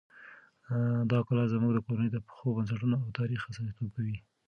دا کلا زموږ د کورنۍ د پخو بنسټونو او تاریخ استازیتوب کوي.